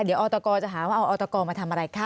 เดี๋ยวออตกจะหาว่าเอาออตกมาทำอะไรคะ